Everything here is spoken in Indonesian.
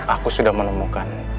aku sudah menemukan